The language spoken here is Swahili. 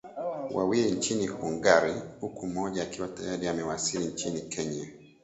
wawili nchini Hungary huku mmoja akiwa tayari amewasili nchini Kenya